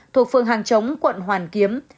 thuộc phường hàng chống quận hoàn kiếm